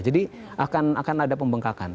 jadi akan ada pembengkakan